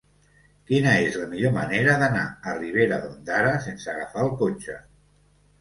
Quina és la millor manera d'anar a Ribera d'Ondara sense agafar el cotxe?